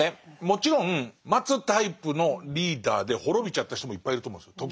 もちろん待つタイプのリーダーで滅びちゃった人もいっぱいいると思うんですよ。